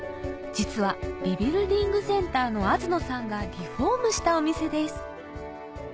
実はリビルディングセンターの東野さんがリフォームしたお店です